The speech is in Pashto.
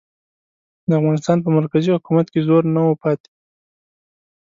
د افغانستان په مرکزي حکومت کې زور نه و پاتې.